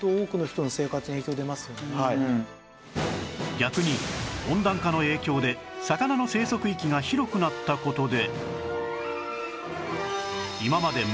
逆に温暖化の影響で魚の生息域が広くなった事で